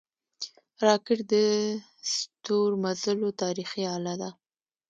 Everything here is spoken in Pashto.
راکټ د ستورمزلو تاریخي اله ده